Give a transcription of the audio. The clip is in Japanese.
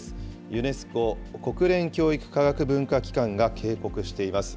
ユネスコ・国連教育科学文化機関が警告しています。